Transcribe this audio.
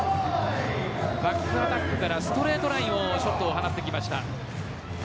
バックアタックからストレートラインに放ってきました。